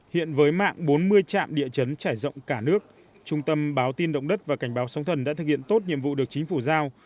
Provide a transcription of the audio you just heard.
hiện với mạng bốn mươi trạm địa chấn trải rộng cả nước trung tâm báo tin động đất và cảnh báo sóng thần đã thực hiện tốt nhiệm vụ được chính phủ giao